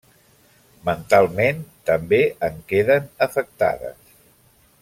Mentalment també en queden afectades.